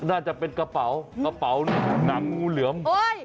น่าจะเป็นกระเป๋ากระเป๋านี่หนังงูเหลือม